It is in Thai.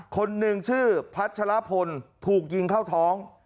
คนหนึ่งชื่อพัชรพลถูกยิงเข้าท้อง